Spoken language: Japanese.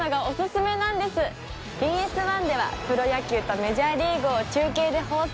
ＢＳ１ではプロ野球とメジャーリーグを中継で放送。